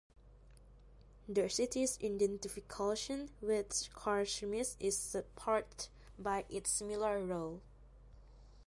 The city's identification with Carchemish is supported by its similar role.